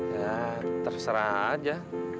ya terserah aja